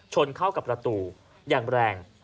ชนเข้ากับประตูอย่างแรง